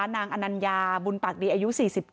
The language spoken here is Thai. นางอนัญญาบุญปากดีอายุ๔๗